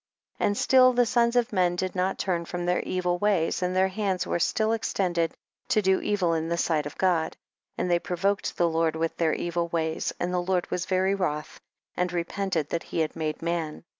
7. And still the sons of men did not turn from their evil ways, and their hands were still extended to do evil in the sight of God, and they provoked the Lord with their evil ways, and the Lord was very wroth, and repented that he had made man.